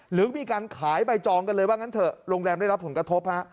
หรือมีการขายใบจองกันเลยว่างั้นเถอะโรงแรมได้รับผลกระทบฮะ